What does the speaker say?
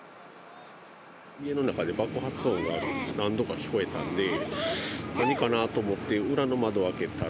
家の中で爆発音が何度か聞こえたんで、何かなと思って、裏の窓を開けたら、